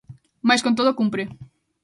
Mais con todo cumpre.